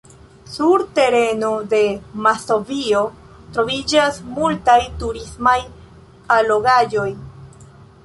Sur tereno de Mazovio troviĝas multaj turismaj allogaĵoj.